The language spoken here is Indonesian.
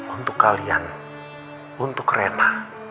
untuk kalian untuk rena